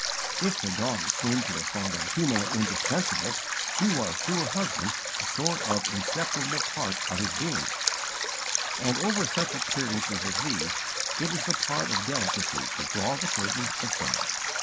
If the daughter seemed to her father humanly indispensable, she was to her husband a sort of inseparable part of his being; and over such experiences as these it is the part of delicacy to draw the curtain of silence.